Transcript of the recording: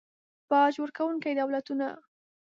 باج ورکونکي دولتونه